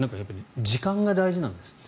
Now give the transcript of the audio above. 時間が大事なんですって。